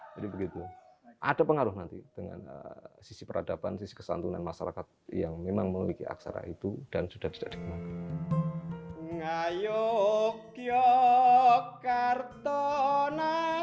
jadi begitu ada pengaruh nanti dengan sisi peradaban sisi kesantunan masyarakat yang memang memiliki aksara itu dan sudah didadakkan